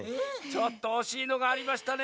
ちょっとおしいのがありましたね。